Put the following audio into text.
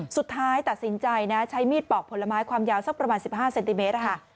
สุดท้ายตัดสินใจนะใช้มีดปอกผลไม้ความยาวสักประมาณ๑๕เซนติเมตรค่ะ